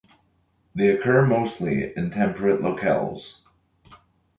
They occur mostly in temperate locales.